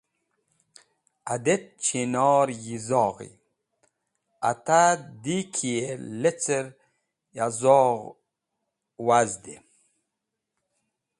Adet chinor yi zoghi. Ata di kiy lecert ya zogh wazdey.